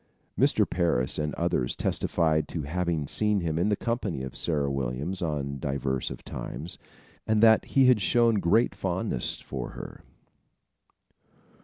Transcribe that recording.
Mr. Parris and others testified to having seen him in the company of Sarah Williams on divers of times, and that he had shown great fondness for her.